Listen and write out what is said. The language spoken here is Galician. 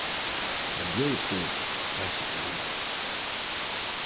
Cambiou todo, basicamente.